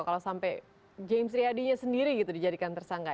kalau sampai james riady nya sendiri gitu dijadikan tersangka